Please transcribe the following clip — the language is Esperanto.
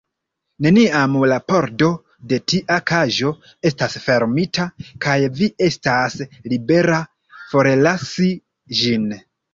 Neniam la pordo de tia kaĝo estas fermita, kaj vi estas libera forlasi ĝin.